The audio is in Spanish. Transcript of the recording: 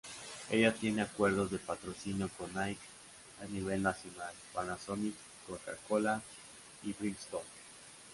Ella tiene acuerdos de patrocinio con Nike, a nivel nacional, Panasonic, Coca-Cola y Bridgestone.